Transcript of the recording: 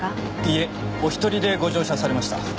いえお一人でご乗車されました。